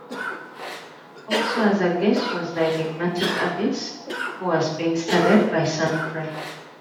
Also as a "guest" was the enigmatic Abyss, who was being studied by Sunpyre.